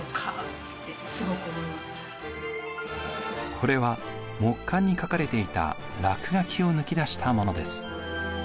これは木簡に描かれていた落書きを抜き出したものです。